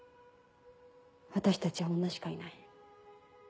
私たちは女しかいない。